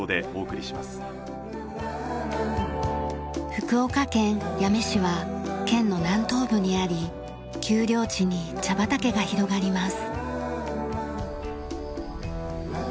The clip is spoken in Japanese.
福岡県八女市は県の南東部にあり丘陵地に茶畑が広がります。